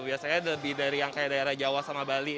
biasanya lebih dari yang kayak daerah jawa sama bali